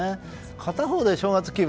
片方で正月気分